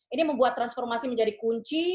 ini membuat transformasi yang sangat penting